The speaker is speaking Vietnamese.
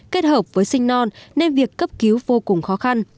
kết hợp với sinh non nên việc cấp cứu vô cùng khó khăn